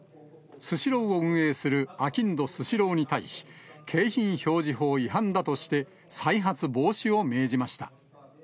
スシローを運営するあきんどスシローに対し、景品表示法違反だとして、再発防止を命じました。